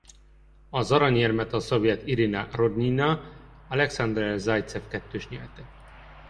Az aranyérmet a szovjet Irina Rodnyina–Alekszandr Zajcev-kettős nyerte.